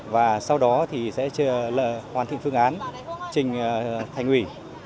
và sau đó thì sẽ hoàn thiện phương án trình thành ủy